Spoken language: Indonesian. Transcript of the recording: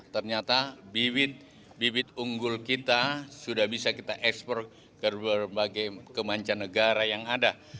ternyata bibit bibit unggul kita sudah bisa kita ekspor ke berbagai kemanca negara yang ada